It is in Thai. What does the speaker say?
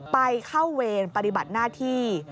ไปเข้าเวรปฏิบัติหน้าที่